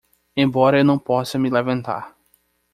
Embora eu não possa me levantar